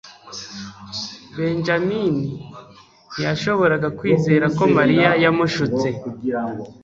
benjamin ntiyashoboraga kwizera ko mariya yamushutse